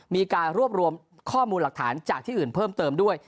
มีการรวบรวมข้อมูลหลักฐานจากที่อื่นเพิ่มเติมด้วย